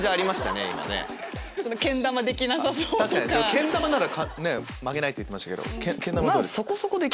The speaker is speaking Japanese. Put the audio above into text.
けん玉なら負けないって言ってましたけど。